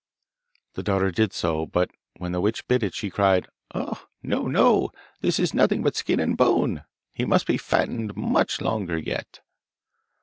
The daughter did so, but when the witch bit it she cried, 'Uh! no, no! This is nothing but skin and bone; he must be fattened much longer yet.